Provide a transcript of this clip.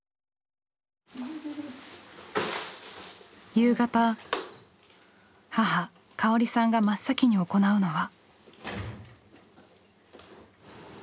夕方母香織さんが真っ先に行うのは。